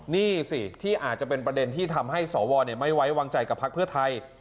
นี่สิที่อาจจะเป็นประเด็นที่ทำให้สวไม่ไว้วางใจกับพักเพื่อไทย